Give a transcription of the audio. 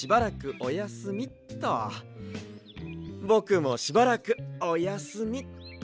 ぼくもしばらくおやすみっと。